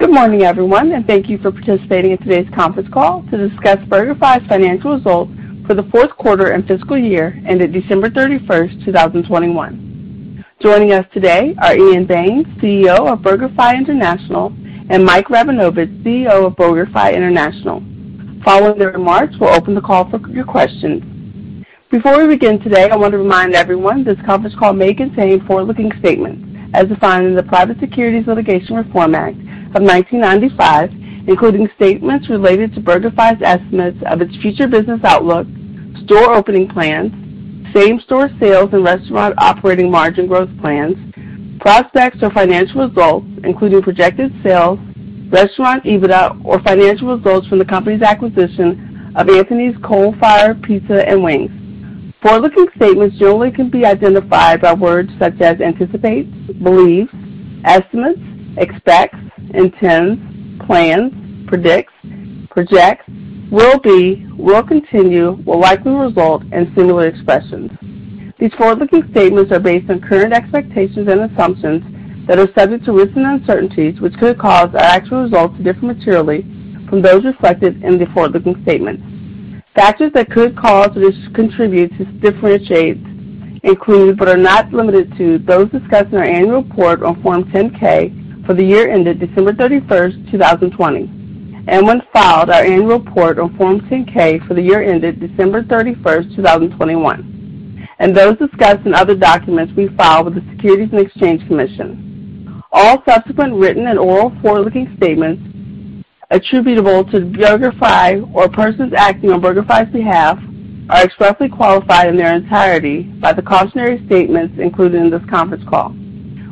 Good morning everyone, and thank you for participating in today's conference call to discuss BurgerFi's financial results for the fourth quarter and fiscal year ended December 31st, 2021. Joining us today are Ian Baines, CEO of BurgerFi International, and Mike Rabinovitch, CEO of BurgerFi International. Following their remarks, we'll open the call for your questions. Before we begin today, I want to remind everyone this conference call may contain forward-looking statements as defined in the Private Securities Litigation Reform Act of 1995, including statements related to BurgerFi's estimates of its future business outlook, store opening plans, same-store sales and restaurant operating margin growth plans, prospects or financial results, including projected sales, restaurant EBITDA or financial results from the company's acquisition of Anthony's Coal Fired Pizza & Wings. Forward looking statements generally can be identified by words such as; anticipates, believes, estimates, expects, intends, plans, predicts, projects, will be, will continue, will likely result and similar expressions. These forward-looking statements are based on current expectations and assumptions that are subject to risks and uncertainties, which could cause our actual results to differ materially from those reflected in the forward-looking statements. Factors that could cause or contribute to such differences include, but are not limited to, those discussed in our annual report on Form 10-K for the year ended December 31st, 2020, and when filed our annual report on Form 10-K for the year ended December 31st, 2021, and those discussed in other documents we file with the Securities and Exchange Commission. All subsequent written and oral forward-looking statements attributable to BurgerFi or persons acting on BurgerFi's behalf are expressly qualified in their entirety by the cautionary statements included in this conference call.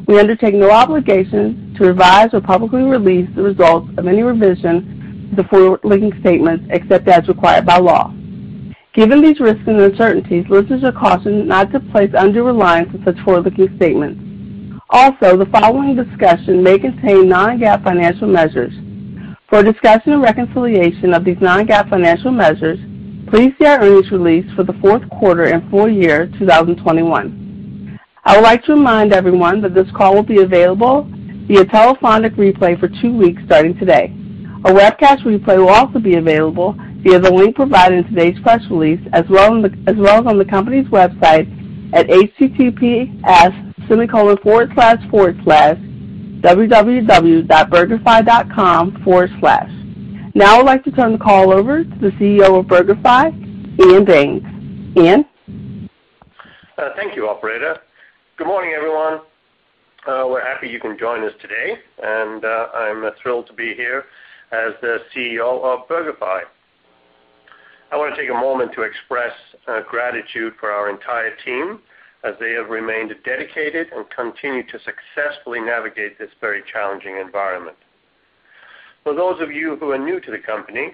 We undertake no obligation to revise or publicly release the results of any revision to the forward-looking statements except as required by law. Given these risks and uncertainties, listeners are cautioned not to place undue reliance on such forward-looking statements. Also, the following discussion may contain non-GAAP financial measures. For a discussion and reconciliation of these non-GAAP financial measures, please see our earnings release for the fourth quarter and full year 2021. I would like to remind everyone that this call will be available via telephonic replay for two weeks starting today. A webcast replay will also be available via the link provided in today's press release, as well as on the company's website at https://www.burgerfi.com/. Now I'd like to turn the call over to the CEO of BurgerFi, Ian Baines. Ian? Thank you operator. Good morning everyone. We're happy you can join us today, and I'm thrilled to be here as the CEO of BurgerFi. I wanna take a moment to express gratitude for our entire team as they have remained dedicated and continue to successfully navigate this very challenging environment. For those of you who are new to the company,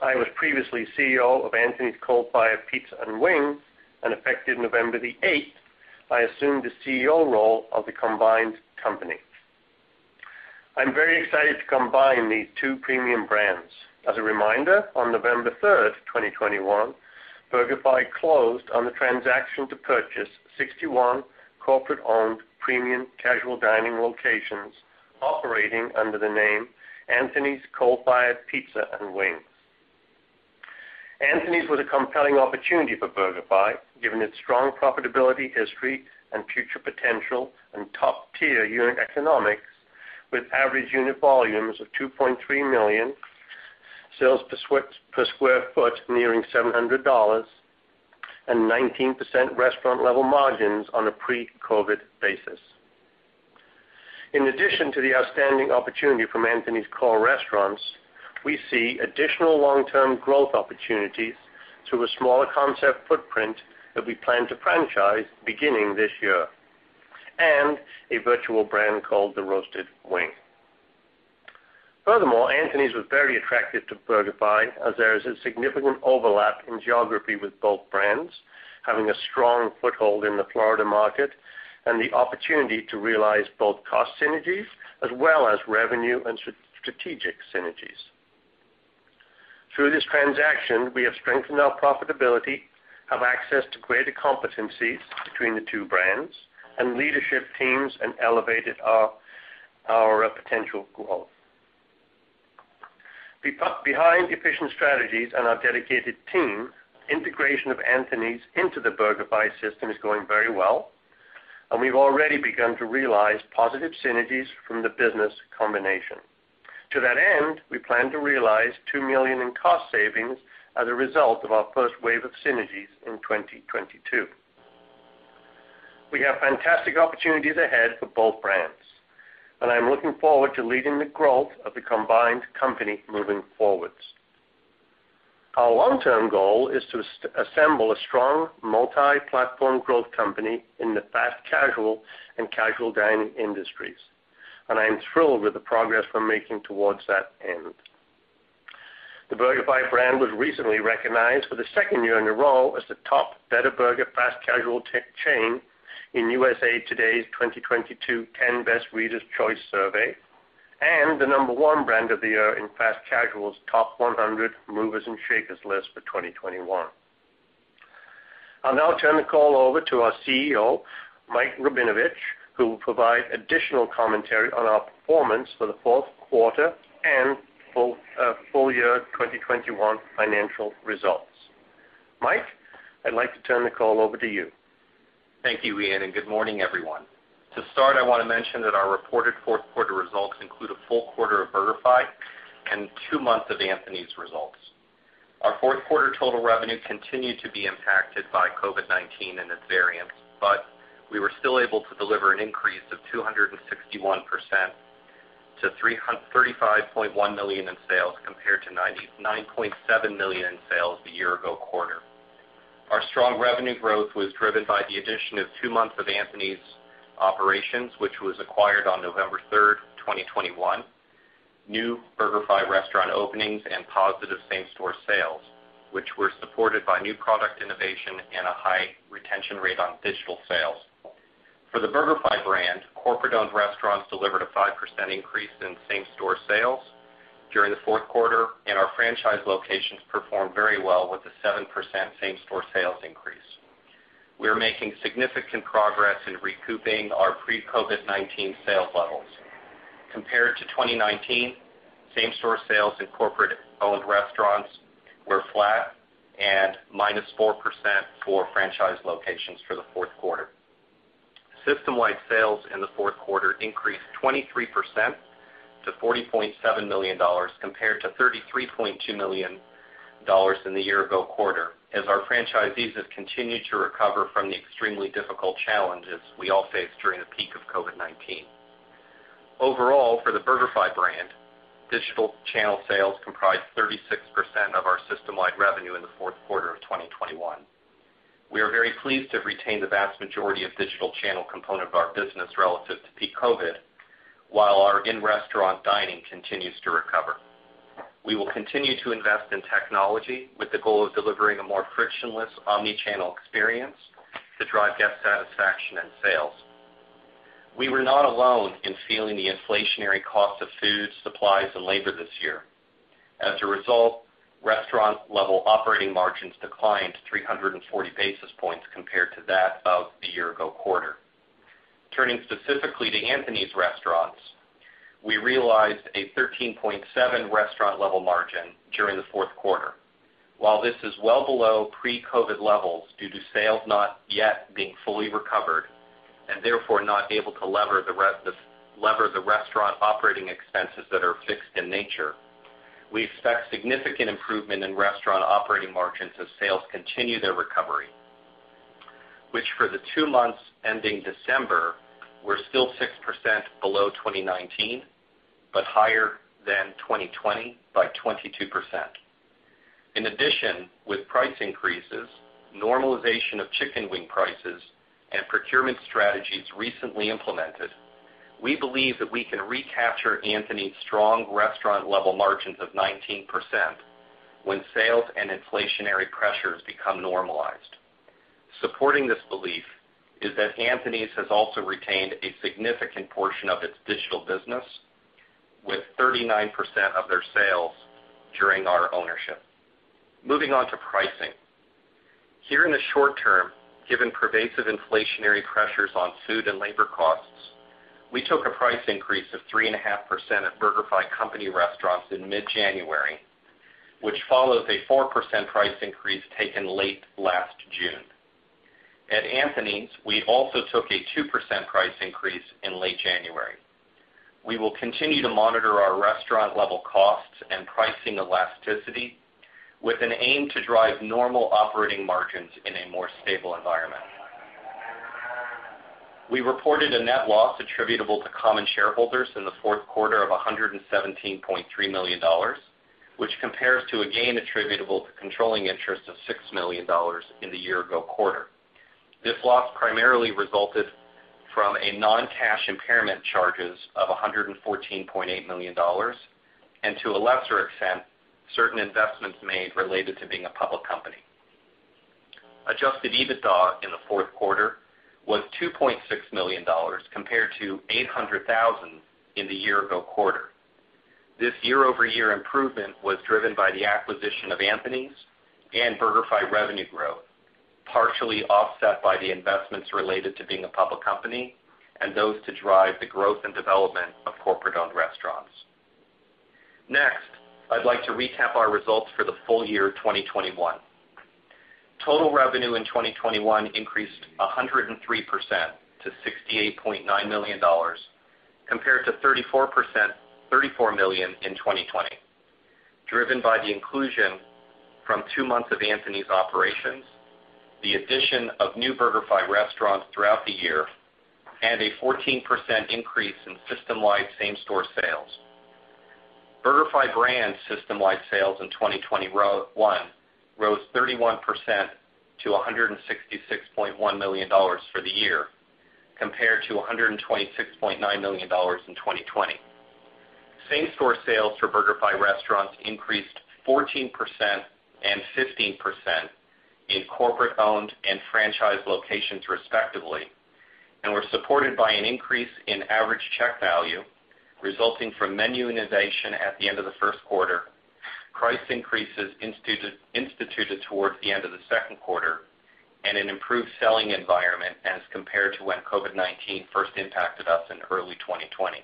I was previously CEO of Anthony's Coal Fired Pizza & Wings, and effective November 8th, I assumed the CEO role of the combined company. I'm very excited to combine these two premium brands. As a reminder, on November 3rd, 2021, BurgerFi closed on the transaction to purchase 61 corporate-owned premium casual dining locations operating under the name Anthony's Coal Fired Pizza & Wings. Anthony's was a compelling opportunity for BurgerFi, given its strong profitability history and future potential and top-tier unit economics with average unit volumes of $2.3 million, sales per sq ft nearing $700, and 19% restaurant level margins on a pre-COVID basis. In addition to the outstanding opportunity from Anthony's core restaurants, we see additional long-term growth opportunities through a smaller concept footprint that we plan to franchise beginning this year, and a virtual brand called The Roasted Wing. Furthermore, Anthony's was very attractive to BurgerFi as there is a significant overlap in geography with both brands, having a strong foothold in the Florida market and the opportunity to realize both cost synergies as well as revenue and strategic synergies. Through this transaction, we have strengthened our profitability, have access to greater competencies between the two brands, and leadership teams, and elevated our potential growth. Behind efficient strategies and our dedicated team, integration of Anthony's into the BurgerFi system is going very well, and we've already begun to realize positive synergies from the business combination. To that end, we plan to realize $2 million in cost savings as a result of our first wave of synergies in 2022. We have fantastic opportunities ahead for both brands, and I'm looking forward to leading the growth of the combined company moving forward. Our long-term goal is to assemble a strong multi-platform growth company in the fast casual and casual dining industries, and I am thrilled with the progress we're making towards that end. The BurgerFi brand was recently recognized for the second year in a row as the top better burger fast casual chain in USA Today's 2022 10Best Readers' Choice Awards and the number one brand of the year in Fast Casual's Top 100 Movers & Shakers list for 2021. I'll now turn the call over to our CEO, Mike Rabinovitch, who will provide additional commentary on our performance for the fourth quarter and full year 2021 financial results. Mike, I'd like to turn the call over to you. Thank you Ian, and good morning everyone. To start, I wanna mention that our reported fourth quarter results include a full quarter of BurgerFi and two months of Anthony's results. Our fourth quarter total revenue continued to be impacted by COVID-19 and its variants, but we were still able to deliver an increase of 261% to $335.1 million in sales compared to $99.7 million in sales the year ago quarter. Our strong revenue growth was driven by the addition of two months of Anthony's operations, which was acquired on November 3rd, 2021, new BurgerFi restaurant openings, and positive same-store sales, which were supported by new product innovation and a high retention rate on digital sales. For the BurgerFi brand, corporate-owned restaurants delivered a 5% increase in same-store sales during the fourth quarter, and our franchise locations performed very well with a 7% same-store sales increase. We are making significant progress in recouping our pre-COVID-19 sales levels. Compared to 2019, same-store sales in corporate-owned restaurants were flat and -4% for franchise locations for the fourth quarter. System-wide sales in the fourth quarter increased 23% to $40.7 million, compared to $33.2 million in the year ago quarter as our franchisees have continued to recover from the extremely difficult challenges we all faced during the peak of COVID-19. Overall, for the BurgerFi brand, digital channel sales comprised 36% of our system-wide revenue in the fourth quarter of 2021. We are very pleased to have retained the vast majority of digital channel component of our business relative to peak COVID, while our in-restaurant dining continues to recover. We will continue to invest in technology with the goal of delivering a more frictionless omni-channel experience to drive guest satisfaction and sales. We were not alone in feeling the inflationary cost of food, supplies, and labor this year. As a result, restaurant-level operating margins declined 340 basis points compared to that of the year ago quarter. Turning specifically to Anthony's Restaurants, we realized a 13.7 restaurant-level margin during the fourth quarter. While this is well below pre-COVID levels due to sales not yet being fully recovered and therefore not able to leverage the restaurant operating expenses that are fixed in nature, we expect significant improvement in restaurant operating margins as sales continue their recovery, which for the two months ending December, were still 6% below 2019, but higher than 2020 by 22%. In addition with price increases, normalization of chicken wing prices, and procurement strategies recently implemented, we believe that we can recapture Anthony's strong restaurant-level margins of 19% when sales and inflationary pressures become normalized. Supporting this belief is that Anthony's has also retained a significant portion of its digital business with 39% of their sales during our ownership. Moving on to pricing. Here in the short term, given pervasive inflationary pressures on food and labor costs, we took a price increase of 3.5% at BurgerFi company restaurants in mid-January, which follows a 4% price increase taken late last June. At Anthony's, we also took a 2% price increase in late January. We will continue to monitor our restaurant level costs and pricing elasticity with an aim to drive normal operating margins in a more stable environment. We reported a net loss attributable to common shareholders in the fourth quarter of $117.3 million, which compares to a gain attributable to controlling interest of $6 million in the year ago quarter. This loss primarily resulted from non-cash impairment charges of $114.8 million and to a lesser extent, certain investments made related to being a public company. Adjusted EBITDA in the fourth quarter was $2.6 million compared to $800,000 in the year-ago quarter. This year-over-year improvement was driven by the acquisition of Anthony's and BurgerFi revenue growth, partially offset by the investments related to being a public company and those to drive the growth and development of corporate-owned restaurants. Next, I'd like to recap our results for the full year 2021. Total revenue in 2021 increased 103% to $68.9 million compared to $34 million in 2020, driven by the inclusion from two months of Anthony's operations, the addition of new BurgerFi restaurants throughout the year, and a 14% increase in system-wide same-store sales. BurgerFi brand system-wide sales in 2021 rose 31% to $166.1 million for the year compared to $126.9 million in 2020. Same-store sales for BurgerFi restaurants increased 14% and 15% in corporate-owned and franchise locations, respectively, and were supported by an increase in average check value resulting from menu innovation at the end of the first quarter, price increases instituted towards the end of the second quarter, and an improved selling environment as compared to when COVID-19 first impacted us in early 2020.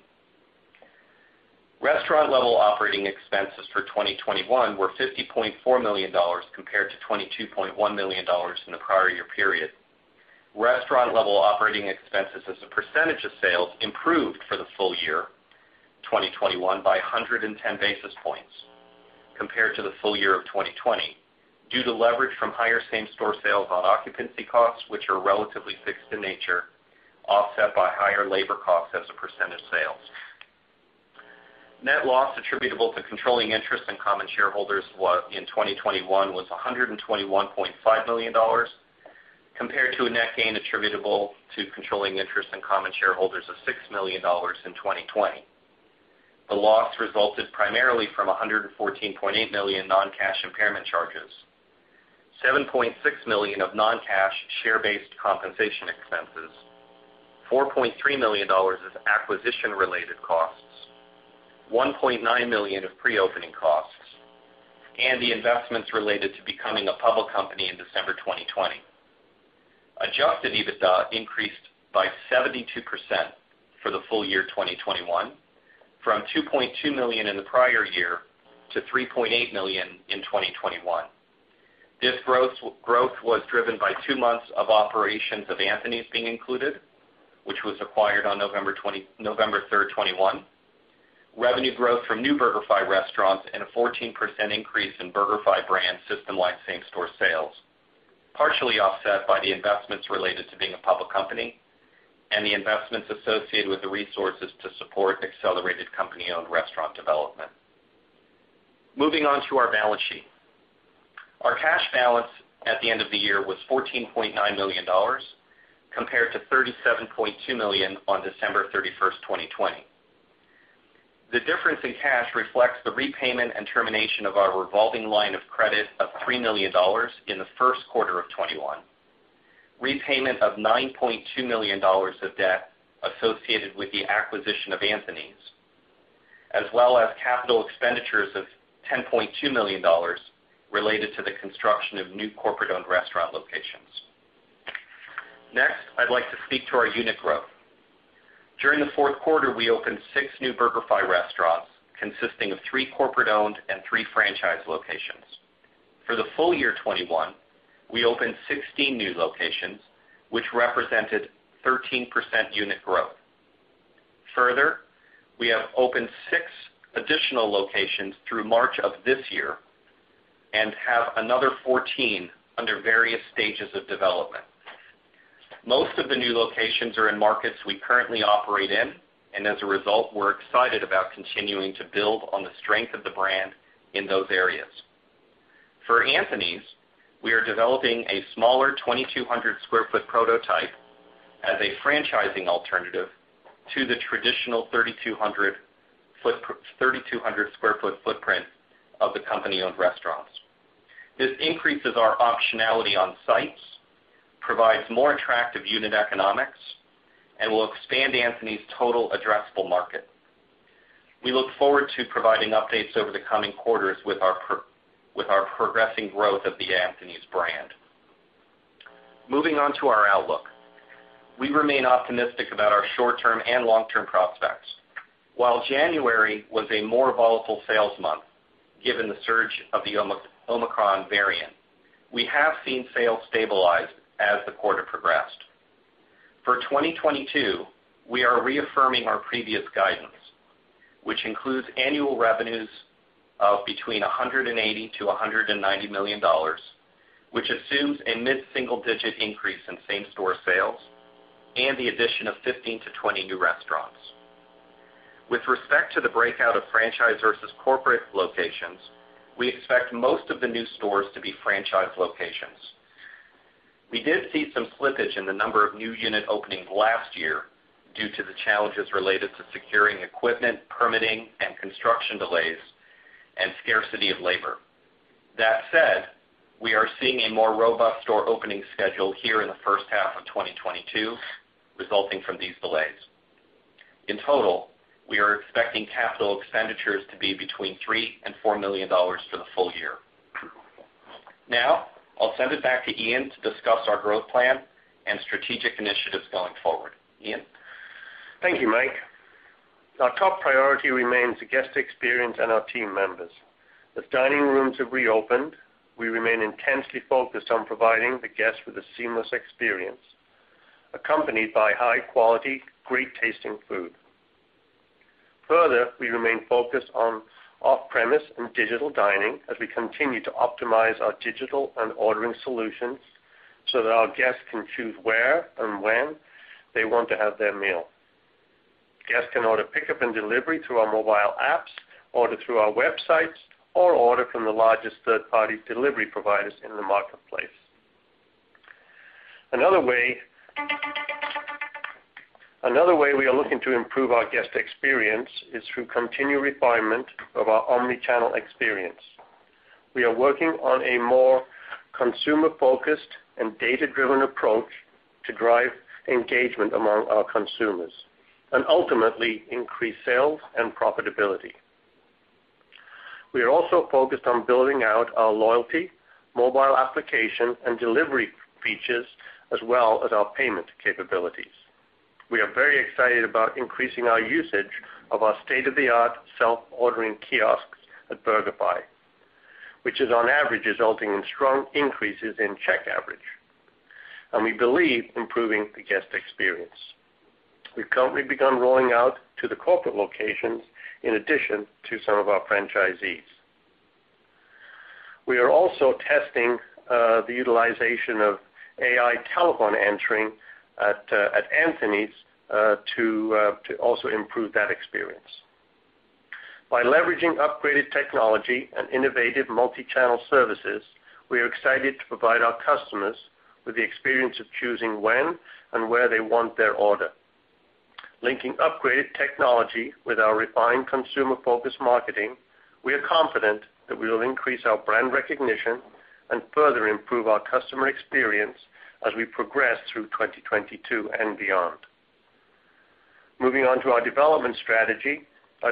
Restaurant level operating expenses for 2021 were $50.4 million compared to $22.1 million in the prior year period. Restaurant level operating expenses as a percentage of sales improved for the full year 2021 by 110 basis points compared to the full year of 2020 due to leverage from higher same-store sales on occupancy costs which are relatively fixed in nature, offset by higher labor costs as a percentage of sales. Net loss attributable to controlling interest in common shareholders in 2021 was $121.5 million, compared to a net gain attributable to controlling interest in common shareholders of $6 million in 2020. The loss resulted primarily from $114.8 million non-cash impairment charges, $7.6 million of non-cash share-based compensation expenses, $4.3 million of acquisition-related costs, $1.9 million of pre-opening costs, and the investments related to becoming a public company in December 2020. Adjusted EBITDA increased by 72% for the full year 2021, from $2.2 million in the prior year to $3.8 million in 2021. This growth was driven by two months of operations of Anthony's being included, which was acquired on November 3rd, 2021, revenue growth from new BurgerFi restaurants, and a 14% increase in BurgerFi brand system-wide same-store sales, partially offset by the investments related to being a public company and the investments associated with the resources to support accelerated company-owned restaurant development. Moving on to our balance sheet. Our cash balance at the end of the year was $14.9 million, compared to $37.2 million on December 31st, 2020. The difference in cash reflects the repayment and termination of our revolving line of credit of $3 million in the first quarter of 2021, repayment of $9.2 million of debt associated with the acquisition of Anthony's, as well as capital expenditures of $10.2 million related to the construction of new corporate-owned restaurant locations. Next, I'd like to speak to our unit growth. During the fourth quarter, we opened 6 new BurgerFi restaurants, consisting of 3 corporate-owned and three franchise locations. For the full year 2021, we opened 16 new locations, which represented 13% unit growth. Further, we have opened six additional locations through March of this year and have another 14 under various stages of development. Most of the new locations are in markets we currently operate in, and as a result, we're excited about continuing to build on the strength of the brand in those areas. For Anthony's, we are developing a smaller 2,200 sq ft prototype as a franchising alternative to the traditional 3,200 sq ft footprint of the company-owned restaurants. This increases our optionality on sites, provides more attractive unit economics, and will expand Anthony's total addressable market. We look forward to providing updates over the coming quarters with our progressing growth of the Anthony's brand. Moving on to our outlook. We remain optimistic about our short-term and long-term prospects. While January was a more volatile sales month given the surge of the Omicron variant, we have seen sales stabilize as the quarter progressed. For 2022, we are reaffirming our previous guidance, which includes annual revenues of between $180 million-$190 million, which assumes a mid-single-digit increase in same-store sales and the addition of 15-20 new restaurants. With respect to the breakout of franchise versus corporate locations, we expect most of the new stores to be franchise locations. We did see some slippage in the number of new unit openings last year due to the challenges related to securing equipment, permitting, and construction delays, and scarcity of labor. That said, we are seeing a more robust store opening schedule here in the first half of 2022 resulting from these delays. In total, we are expecting capital expenditures to be between $3 million-$4 million for the full year. Now I'll send it back to Ian to discuss our growth plan and strategic initiatives going forward. Ian? Thank you Mike. Our top priority remains the guest experience and our team members. As dining rooms have reopened, we remain intensely focused on providing the guests with a seamless experience, accompanied by high quality, great tasting food. Further, we remain focused on off-premise and digital dining as we continue to optimize our digital and ordering solutions so that our guests can choose where and when they want to have their meal. Guests can order pickup and delivery through our mobile apps, order through our websites, or order from the largest third-party delivery providers in the marketplace. Another way we are looking to improve our guest experience is through continued refinement of our omni-channel experience. We are working on a more consumer-focused and data-driven approach to drive engagement among our consumers, and ultimately increase sales and profitability. We are also focused on building out our loyalty, mobile application, and delivery features, as well as our payment capabilities. We are very excited about increasing our usage of our state-of-the-art self-ordering kiosks at BurgerFi, which is, on average, resulting in strong increases in check average, and we believe improving the guest experience. We've currently begun rolling out to the corporate locations in addition to some of our franchisees. We are also testing the utilization of AI telephone ordering at Anthony's to also improve that experience. By leveraging upgraded technology and innovative multi-channel services, we are excited to provide our customers with the experience of choosing when and where they want their order. Linking upgraded technology with our refined consumer-focused marketing, we are confident that we will increase our brand recognition and further improve our customer experience as we progress through 2022 and beyond. Moving on to our development strategy. Our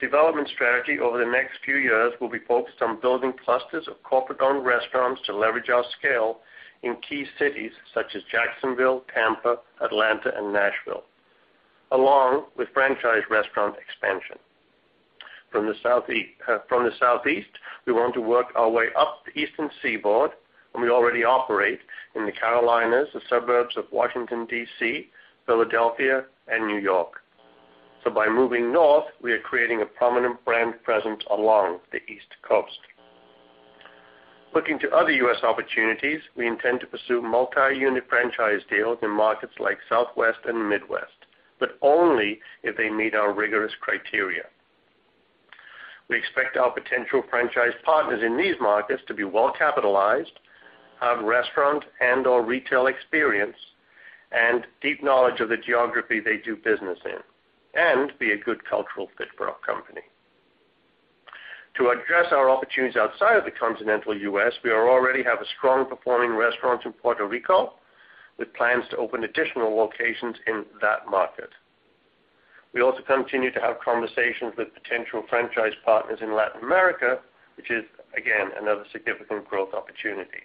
development strategy over the next few years will be focused on building clusters of corporate-owned restaurants to leverage our scale in key cities such as Jacksonville, Tampa, Atlanta, and Nashville, along with franchise restaurant expansion. From the Southeast, we want to work our way up the Eastern Seaboard, and we already operate in the Carolinas, the suburbs of Washington, D.C., Philadelphia, and New York. By moving north, we are creating a prominent brand presence along the East Coast. Looking to other U.S. opportunities, we intend to pursue multi-unit franchise deals in markets like Southwest and Midwest, but only if they meet our rigorous criteria. We expect our potential franchise partners in these markets to be well-capitalized, have restaurant and/or retail experience, and deep knowledge of the geography they do business in, and be a good cultural fit for our company. To address our opportunities outside of the continental U.S., we already have a strong performing restaurant in Puerto Rico, with plans to open additional locations in that market. We also continue to have conversations with potential franchise partners in Latin America, which is, again, another significant growth opportunity.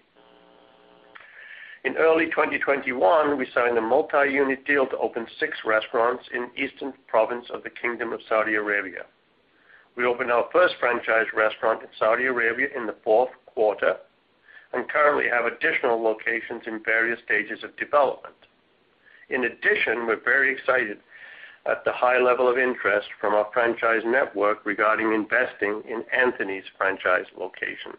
In early 2021, we signed a multi-unit deal to open six restaurants in Eastern Province of the Kingdom of Saudi Arabia. We opened our first franchise restaurant in Saudi Arabia in the fourth quarter, and currently have additional locations in various stages of development. In addition, we're very excited at the high level of interest from our franchise network regarding investing in Anthony's franchise locations,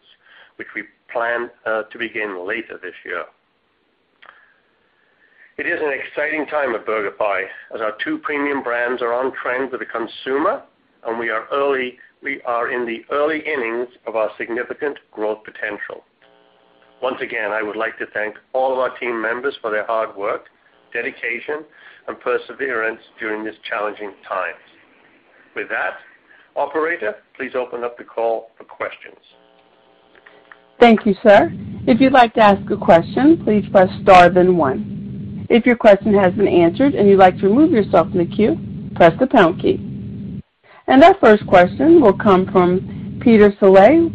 which we plan to begin later this year. It is an exciting time at BurgerFi, as our two premium brands are on trend with the consumer, and we are in the early innings of our significant growth potential. Once again, I would like to thank all of our team members for their hard work, dedication, and perseverance during these challenging times. With that, operator, please open up the call for questions. Thank you sir. If you'd like to ask a question, please press star then one. If your question has been answered and you'd like to remove yourself from the queue, press the pound key. Our first question will come from Peter Saleh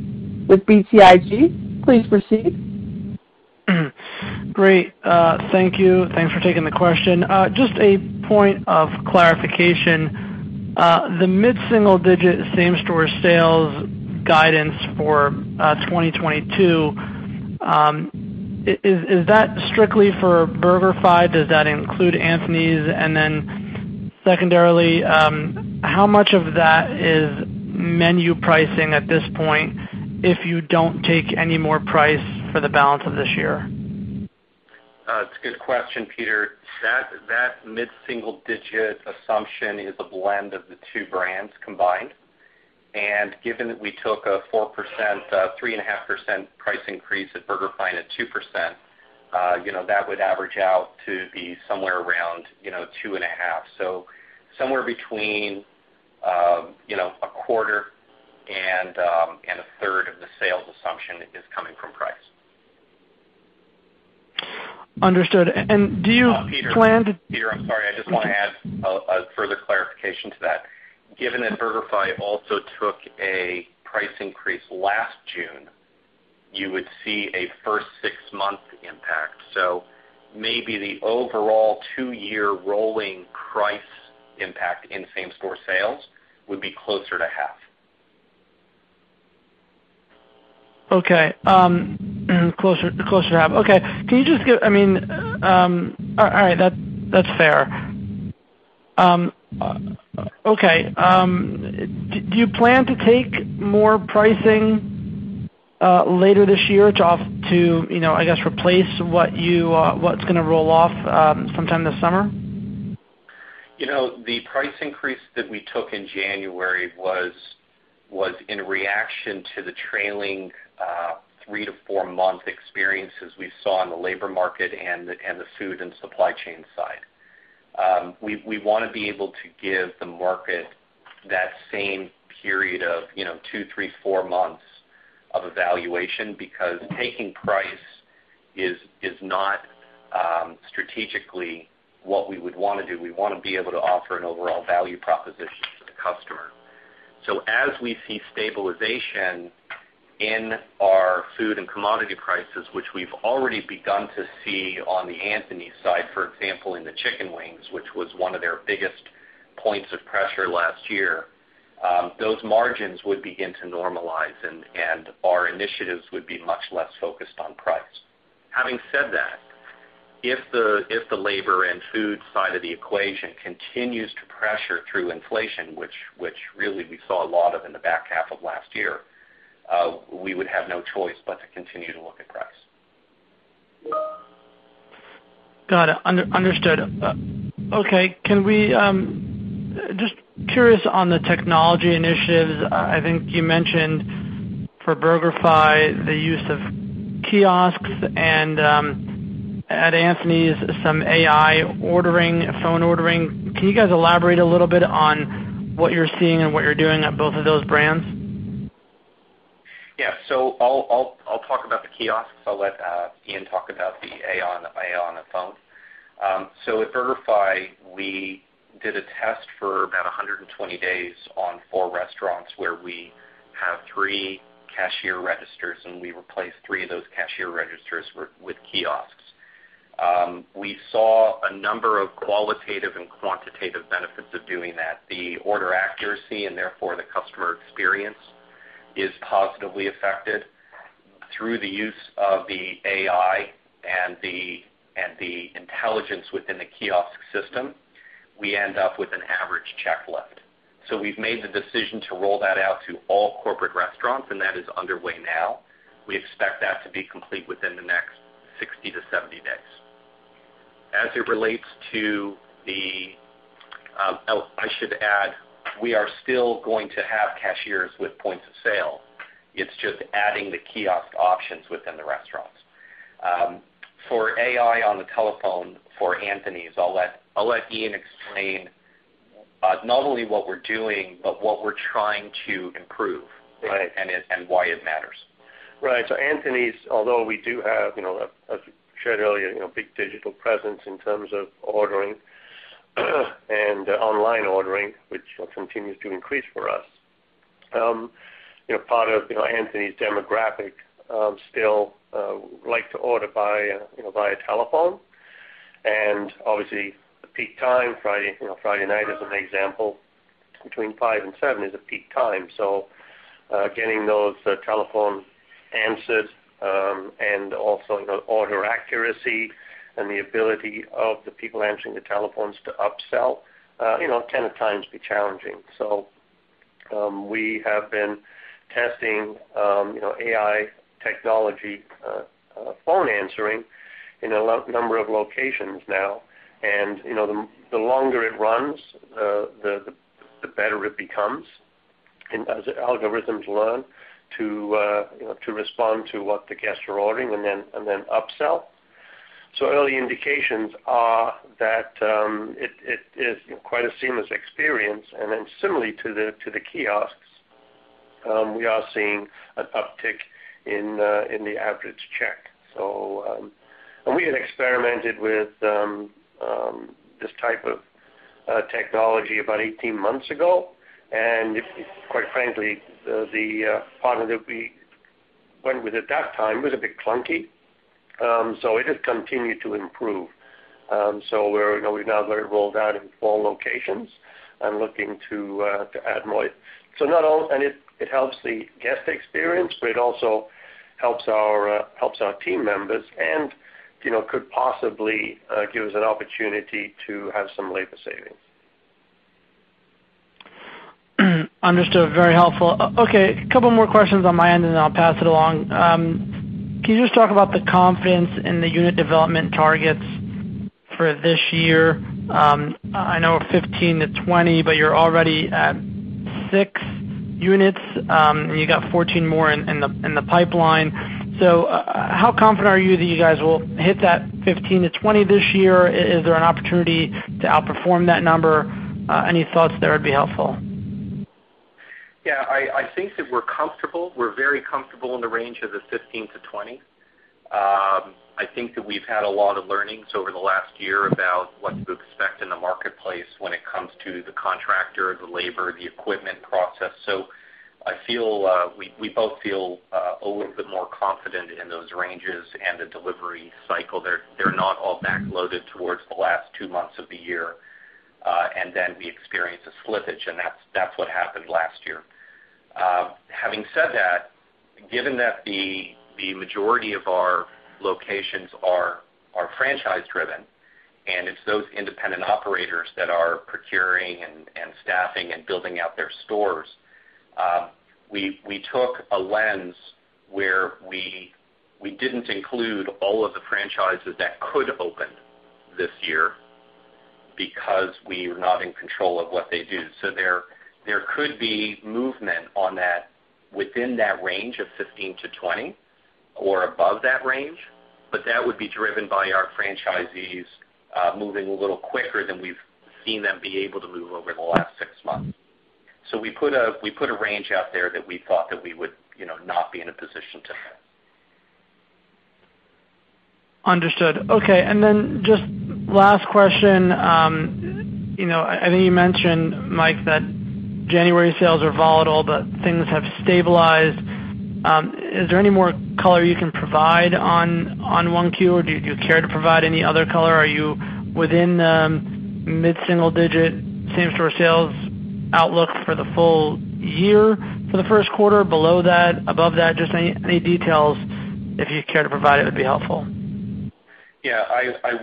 with BTIG. Please proceed. Great, thank you. Thanks for taking the question. Just a point of clarification, the mid-single-digit same-store sales guidance for 2022, is that strictly for BurgerFi? Does that include Anthony's? Then secondarily, how much of that is menu pricing at this point if you don't take any more price for the balance of this year? It's a good question Peter. That mid-single-digit assumption is a blend of the two brands combined. Given that we took a 4%, 3.5% price increase at BurgerFi and at 2%, you know, that would average out to be somewhere around, you know, two and ahalf. Somewhere between a quarter and a third of the sales assumption is coming from price. Understood. Do you plan to- Peter, I'm sorry. I just wanna add a further clarification to that. Given that BurgerFi also took a price increase last June, you would see a first six-month impact. Maybe the overall two-year rolling price impact in same-store sales would be closer to half. Okay closer to half. Okay I mean, all right. That's fair okay. Do you plan to take more pricing later this year to, you know, I guess, replace what's gonna roll off sometime this summer? You know, the price increase that we took in January was in reaction to the trailing. Three to four month experiences we saw in the labor market and the food and supply chain side. We wanna be able to give the market that same period of, you know, two, three, four months of evaluation because taking price is not strategically what we would wanna do. We wanna be able to offer an overall value proposition to the customer. As we see stabilization in our food and commodity prices, which we've already begun to see on the Anthony's side, for example, in the chicken wings, which was one of their biggest points of pressure last year, those margins would begin to normalize and our initiatives would be much less focused on price. Having said that, if the labor and food side of the equation continues to pressure through inflation, which really we saw a lot of in the back half of last year, we would have no choice but to continue to look at price. Got it. Understood. Okay, just curious on the technology initiatives. I think you mentioned for BurgerFi, the use of kiosks and at Anthony's, some AI ordering, phone ordering. Can you guys elaborate a little bit on what you're seeing and what you're doing at both of those brands? I'll talk about the kiosks. I'll let Ian talk about the AI on the phone. At BurgerFi, we did a test for about 120 days on four restaurants where we have three cashier registers, and we replaced three of those cashier registers with kiosks. We saw a number of qualitative and quantitative benefits of doing that. The order accuracy, and therefore the customer experience is positively affected through the use of the AI and the intelligence within the kiosk system. We end up with an average check lift. We've made the decision to roll that out to all corporate restaurants, and that is underway now. We expect that to be complete within the next 60-70 days. As it relates to the, Oh I should add, we are still going to have cashiers with points of sale. It's just adding the kiosk options within the restaurants. For AI on the telephone for Anthony's, I'll let Ian explain not only what we're doing, but what we're trying to improve. Right. Why it matters. Right. Anthony's, although we do have, you know, as we shared earlier, you know, big digital presence in terms of ordering and online ordering, which continues to increase for us. You know, part of, you know, Anthony's demographic still like to order via, you know, via telephone. Obviously, the peak time, Friday, you know, Friday night as an example, between five and seven, is a peak time. Getting those telephone answered and also the order accuracy and the ability of the people answering the telephones to upsell, you know, can at times be challenging. We have been testing, you know, AI technology phone answering in a low number of locations now. You know, the longer it runs, the better it becomes. As algorithms learn to you know to respond to what the guests are ordering and then upsell. Early indications are that it is you know quite a seamless experience. Similarly to the kiosks, we are seeing an uptick in the average check. We had experimented with this type of technology about 18 months ago, and quite frankly, the partner that we went with at that time was a bit clunky. It has continued to improve. We're you know we've now got it rolled out in four locations and looking to add more. It helps the guest experience, but it also helps our team members and, you know, could possibly give us an opportunity to have some labor savings. Understood. Very helpful. Okay, a couple more questions on my end, and then I'll pass it along. Can you just talk about the confidence in the unit development targets for this year? I know 15-20, but you're already at six units, and you got 14 more in the pipeline. How confident are you that you guys will hit that 15-20 this year? Is there an opportunity to outperform that number? Any thoughts there would be helpful. Yeah. I think that we're comfortable. We're very comfortable in the range of the 15-20. I think that we've had a lot of learnings over the last year about what to expect in the marketplace when it comes to the contractor, the labor, the equipment process. I feel we both feel a little bit more confident in those ranges and the delivery cycle. They're not all backloaded towards the last two months of the year, and then we experience a slippage, and that's what happened last year. Having said that, given that the majority of our locations are franchise driven, and it's those independent operators that are procuring and staffing and building out their stores, we took a lens where we didn't include all of the franchises that could open this year because we are not in control of what they do. There could be movement on that within that range of 15-20 or above that range, but that would be driven by our franchisees moving a little quicker than we've seen them be able to move over the last six months. We put a range out there that we thought that we would you know, not be in a position to hit. Understood. Okay, just last question. You know, I think you mentioned Mike that January sales are volatile, but things have stabilized. Is there any more color you can provide on 1Q, or do you care to provide any other color? Are you within mid-single digit same-store sales outlook for the full year for the first quarter? Below that? Above that? Just any details, if you care to provide it, would be helpful. Yeah, I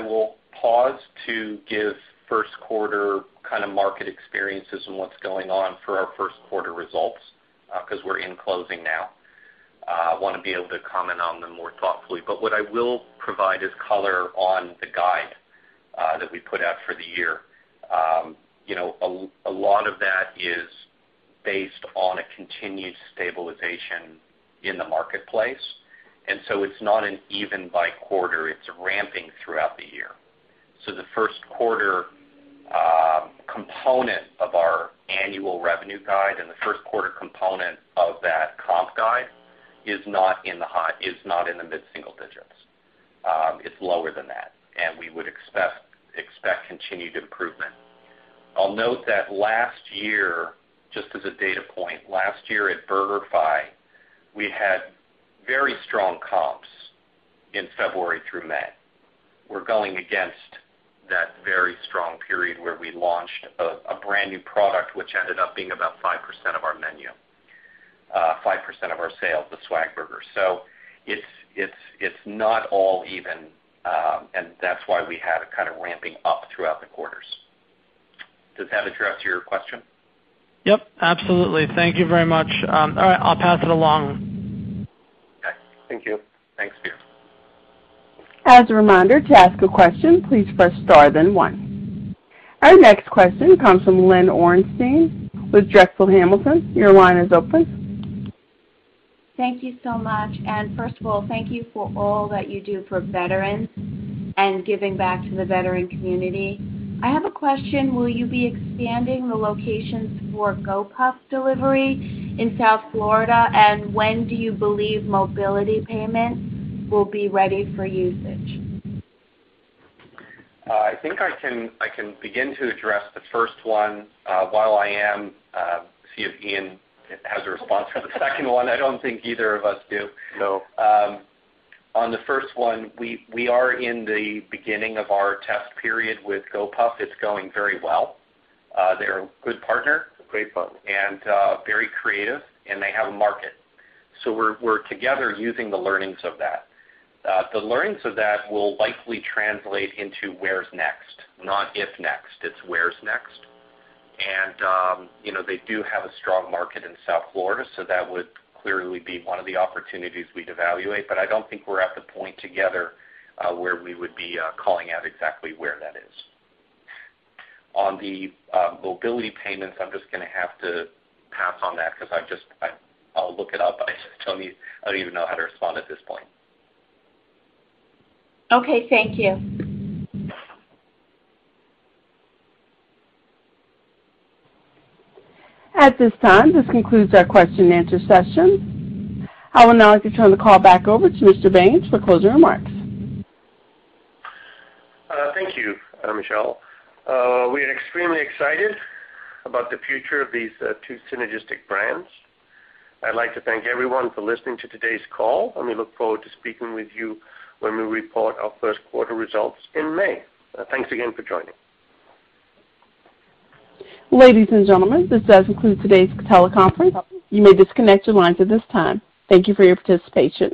will pause to give first quarter kind of market experiences and what's going on for our first quarter results, 'cause we're in closing now. I wanna be able to comment on them more thoughtfully. What I will provide is color on the guide that we put out for the year. You know, a lot of that is based on a continued stabilization in the marketplace. It's not an even by quarter, it's ramping throughout the year. The first quarter component of our annual revenue guide and the first quarter component of that comp guide is not in the mid-single digits. It's lower than that. We would expect continued improvement. I'll note that last year, just as a data point, last year at BurgerFi, we had very strong comps in February through May. We're going against that very strong period where we launched a brand-new product which ended up being about 5% of our menu, 5% of our sales, the SWAG Burger. It's not all even, and that's why we have it kind of ramping up throughout the quarters. Does that address your question? Yep absolutely. Thank you very much. All right, I'll pass it along. Okay. Thank you. Thanks. As a reminder, to ask a question, please press star then one. Our next question comes from Lynn Orenstein with Drexel Hamilton. Your line is open. Thank you so much. First of all, thank you for all that you do for veterans and giving back to the veteran community. I have a question. Will you be expanding the locations for Gopuff delivery in South Florida? And when do you believe mobile payments will be ready for usage? I think I can begin to address the first one, while I'm seeing if Ian has a response for the second one. I don't think either of us do. No. On the first one, we are in the beginning of our test period with Gopuff. It's going very well. They're a good partner. Great partner. Very creative, and they have a market. We're together using the learnings of that. The learnings of that will likely translate into where's next, not if next. It's where's next. You know, they do have a strong market in South Florida, so that would clearly be one of the opportunities we'd evaluate. I don't think we're at the point together where we would be calling out exactly where that is. On the mobility payments, I'm just gonna have to pass on that 'cause I'll look it up. I just don't even know how to respond at this point. Okay. Thank you. At this time, this concludes our question and answer session. I will now turn the call back over to Mr. Baines for closing remarks. Thank you Michelle. We are extremely excited about the future of these two synergistic brands. I'd like to thank everyone for listening to today's call, and we look forward to speaking with you when we report our first quarter results in May. Thanks again for joining. Ladies and gentlemen, this does conclude today's teleconference. You may disconnect your lines at this time. Thank you for your participation.